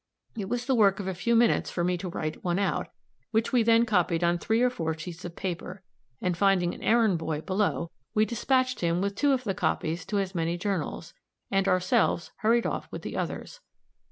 It was the work of a few minutes for me to write one out, which we then copied on three or four sheets of paper, and finding an errand boy below, we dispatched him with two of the copies to as many journals, and ourselves hurried off with the others.